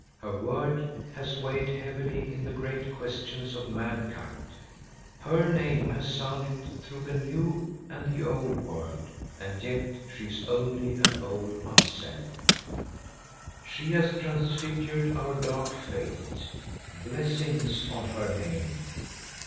Her word has weighed heavily in the great questions of mankind. Her name has sounded through the new and the old world. And yet she is only an old Mamsell. "She has transfigured our dark fate. Blessings on her name!"